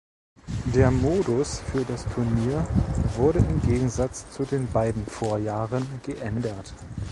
Der Modus für das Turnier wurde im Gegensatz zu den beiden Vorjahren geändert.